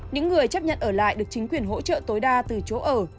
những người chấp nhận ở lại được chính quyền hỗ trợ tối đa từ chỗ ở